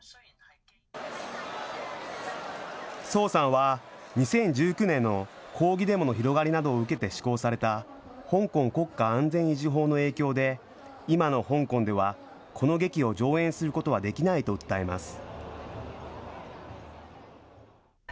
莊さんは２０１９年の抗議デモの広がりなどを受けて施行された、香港国家安全維持法の影響で、今の香港ではこの劇を上演することはできないと訴えます。